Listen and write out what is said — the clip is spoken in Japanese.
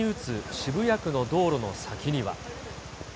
渋谷区の道路の先には。